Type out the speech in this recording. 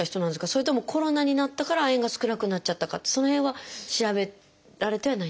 それともコロナになったから亜鉛が少なくなっちゃったかってその辺は調べられてはないんですか？